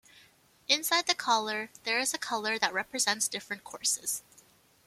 Inside the collar, there is a colour that represents different courses.